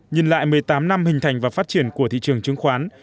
nhìn lại một mươi tám năm hình thành và phát triển của thị trường chứng khoán